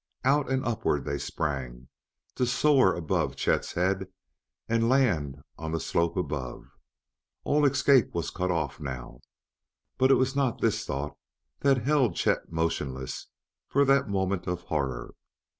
Out and upward they sprang, to soar above Chet's head and land on the slope above. All escape was cut off now; but it was not this thought that held Chet motionless for that moment of horror.